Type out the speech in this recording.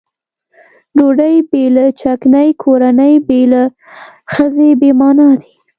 ډوډۍ بې له چکنۍ کورنۍ بې له ښځې بې معنا دي.